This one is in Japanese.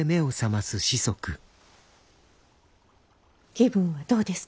気分はどうですか？